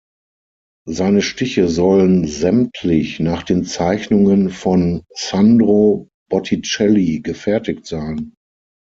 Seine Stiche sollen sämtlich nach den Zeichnungen von Sandro Botticelli gefertigt sein.